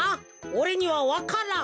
おれにはわからん。